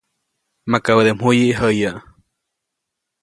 Makabäde mjuyi jäyäʼ.